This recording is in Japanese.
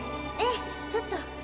ええちょっと。